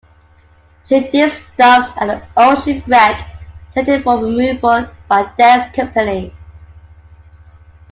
Judith stops at an old shipwreck slated for removal by Dan's company.